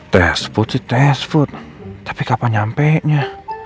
tes puji tes food tapi kapan nyampe nya